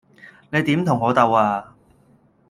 你點同我鬥呀?